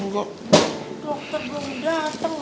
dokter belum dateng